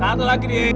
satu lagi dik